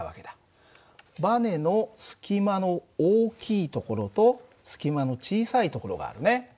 バネの隙間の大きい所と隙間の小さい所があるね。